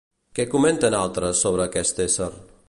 Què comenten altres sobre aquest ésser?